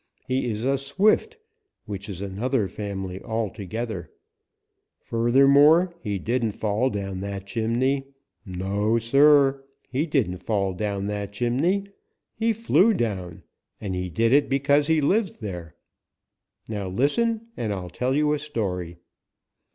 "He is a Swift, which is another family altogether. Furthermore, he didn't fall down that chimney. No, Sir, he didn't fall down that chimney. He flew down, and he did it because he lives there. Now listen, and I'll tell you a story."